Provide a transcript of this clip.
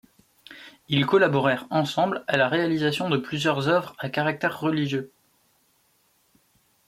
Ils collaborèrent ensemble à la réalisation de plusieurs œuvres à caractère religieux.